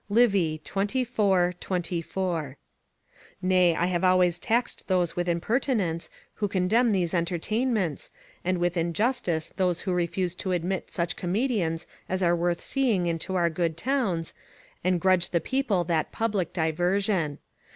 Livy, xxiv. 24.] Nay, I have always taxed those with impertinence who condemn these entertainments, and with injustice those who refuse to admit such comedians as are worth seeing into our good towns, and grudge the people that public diversion.